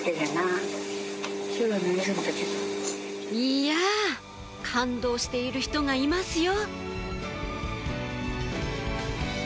いやぁ感動している人がいますよ